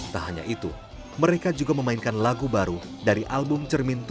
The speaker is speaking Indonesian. tak hanya itu mereka juga memainkan lagu baru dari album cermin tujuh